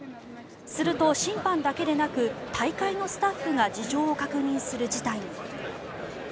すると、審判だけでなく大会のスタッフが事情を確認する事態に。